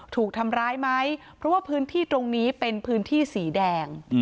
ถูกทำร้ายไหมเพราะว่าพื้นที่ตรงนี้เป็นพื้นที่สีแดง